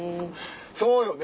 そうよね